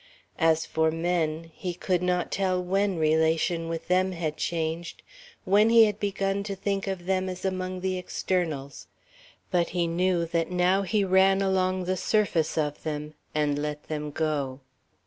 As for men, he could not tell when relation with them had changed, when he had begun to think of them as among the externals; but he knew that now he ran along the surface of them and let them go.